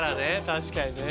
確かにね。